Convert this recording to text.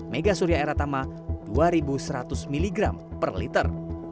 megasuria eratama dua ribu seratus mg per liter